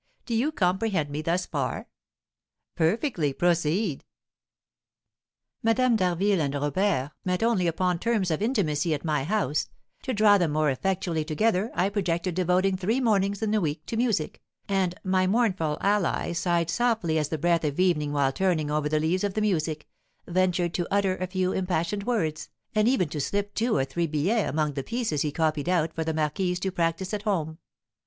Do you comprehend me thus far?" "Perfectly; proceed." "Madame d'Harville and Robert met only upon terms of intimacy at my house; to draw them more effectually together I projected devoting three mornings in the week to music, and my mournful ally sighed softly as the breath of evening while turning over the leaves of the music, ventured to utter a few impassioned words, and even to slip two or three billets among the pieces he copied out for the marquise to practise at home.